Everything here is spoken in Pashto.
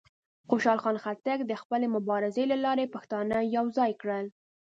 خوشحال خان خټک د خپلې مبارزې له لارې پښتانه یوځای کړل.